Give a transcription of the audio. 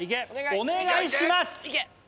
お願いします